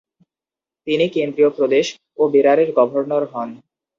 তিনি কেন্দ্রীয় প্রদেশ ও বেরারের গভর্নর হন।